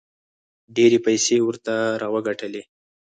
ډېرې پیسې یې ورته راوګټلې.